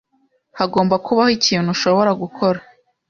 Hagomba kubaho ikintu ushobora gukora.